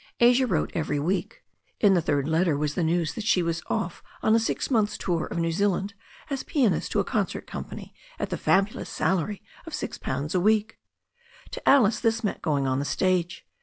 Asia wrote every week. In the third letter was the news that she was off on a six months' tour of New Zealand as pianist to a concert company at the fabulous salary of six pounds a week. To Alice this meant going on the stage.